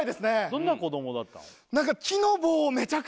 どんな子供だったの？